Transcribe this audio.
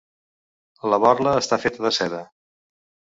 La borla està feta de seda.